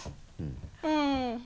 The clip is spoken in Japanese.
うん。